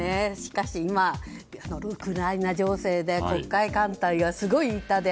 今、ウクライナ情勢で黒海艦隊はすごい痛手。